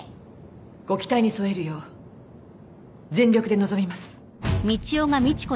ご期待にそえるよう全力で臨みます。